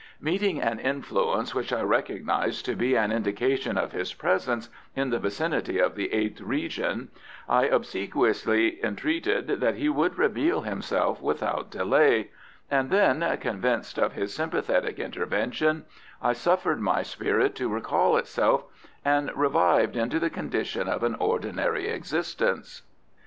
Meeting an influence which I recognised to be an indication of his presence, in the vicinity of the Eighth Region, I obsequiously entreated that he would reveal himself without delay, and then, convinced of his sympathetic intervention, I suffered my spirit to recall itself, and revived into the condition of an ordinary existence.